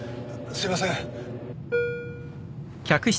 すいません。